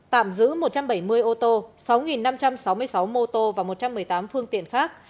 tạm giữ một trăm bảy mươi ô tô sáu năm trăm sáu mươi sáu mô tô và một trăm một mươi tám phương tiện khác